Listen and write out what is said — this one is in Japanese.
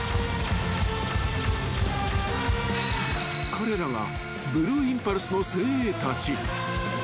［彼らがブルーインパルスの精鋭たち］